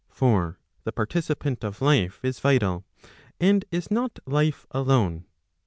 For the participant of life is vital, and is not life alone, i.